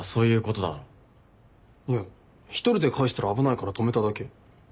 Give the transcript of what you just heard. いや１人で帰したら危ないから泊めただけ。